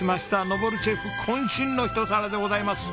登シェフ渾身のひと皿でございます。